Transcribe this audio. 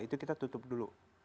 itu kita tutup dulu